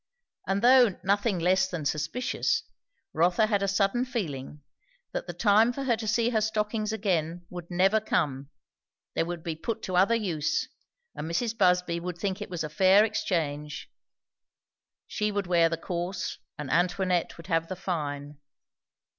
And though nothing less than suspicious, Rotha had a sudden feeling that the time for her to see her stockings again would never come; they would be put to other use, and Mrs. Busby would think it was a fair exchange. She would wear the coarse and Antoinette would have the fine.